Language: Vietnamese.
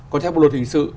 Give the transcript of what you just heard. còn theo bộ luật hình sự